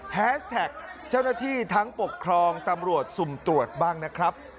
แฮสแท็กเจ้าหน้าที่ทั้งปกครองตำรวจสุ่มตรวจบ้างนะครับ